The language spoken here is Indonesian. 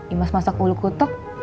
imas masak ulu kutuk